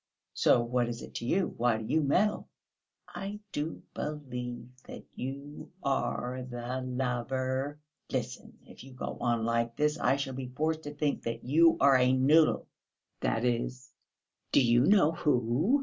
So what is it to you? Why do you meddle?" "I do believe that you are the lover!..." "Listen: if you go on like this I shall be forced to think you are a noodle! That is, do you know who?"